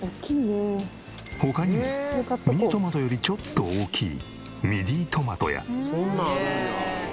他にもミニトマトよりちょっと大きいミディトマトや。